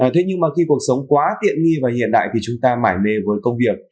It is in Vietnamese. thế nhưng mà khi cuộc sống quá tiện nghi và hiện đại thì chúng ta mải mê với công việc